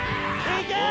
いけ！